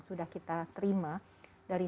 sudah kita terima dari